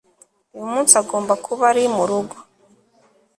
uyu munsi agomba kuba ari murugo